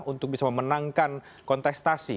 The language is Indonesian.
untuk bisa memenangkan kontestasi